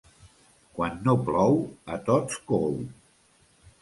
Quan no plou, a tots cou.